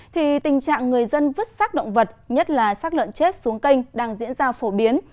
thì tình trạng người dân vứt sát động vật nhất là sát lợn chết xuống kênh đang diễn ra phổ biến